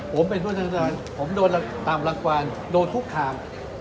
ผมเป็นผู้ทัศน์ดอนผมโดนตามรักวารโดนฮุกคาม